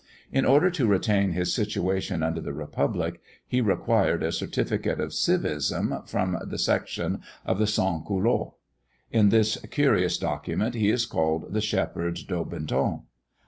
In order to retain his situation under the republic, he required a certificate of civism from the Section of the Sans Culottes. In this curious document, he is called the Shepherd Daubenton.